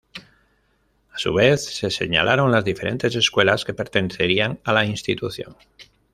A su vez, se señalaron las diferentes escuelas que pertenecerían a la institución.